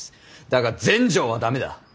だが全成は駄目だ。